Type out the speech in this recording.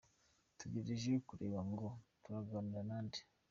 Dutegereje kureba ngo ‘turaganira na nde’!”.